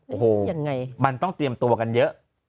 โอ้โหยังไงมันต้องเตรียมตัวกันเยอะ